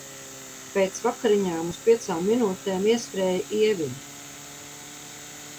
Pēc vakariņām uz piecām minūtēm ieskrēja Ieviņa.